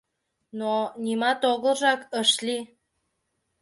Но «нимат огылжак» ыш лий.